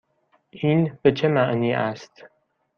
این به چه معنی است؟